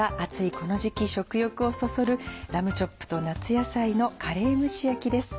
この時期食欲をそそる「ラムチョップと夏野菜のカレー蒸し焼き」です。